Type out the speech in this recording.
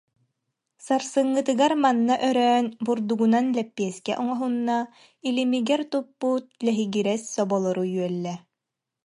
Сарсыҥҥытыгар манна өрөөн бурду- гунан лэппиэскэ оҥоһунна, илимигэр туппут лэһигирэс соболору үөллэ